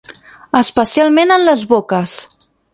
Especialment en les boques.